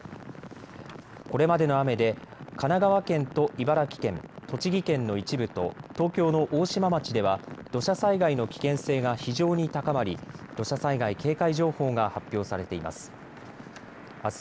これまでの雨で神奈川県と茨城県、栃木県の一部と東京の大島町では土砂災害の危険性が非常に高まり土砂災害警戒情報が発表されています。